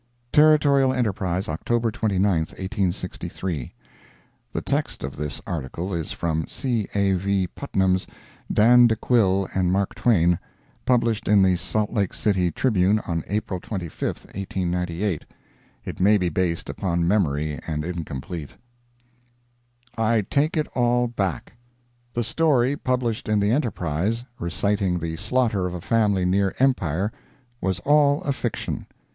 Territorial Enterprise, October 29, 1863 [the text of this article is from C. A. V. Putman's "Dan De Quille and Mark Twain," published in the Salt Lake City Tribune on April 25, 1898. It may be based upon memory and incomplete.] I TAKE IT ALL BACK The story published in the Enterprise reciting the slaughter of a family near Empire was all a fiction.